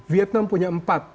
vietnam punya empat